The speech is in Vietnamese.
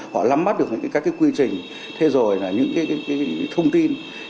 họ lắm mắt được các quy trình thế rồi là những thông tin